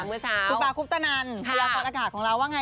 คุณป่าคุปตะนันพระยากรอดอากาศของเราว่าอย่างไร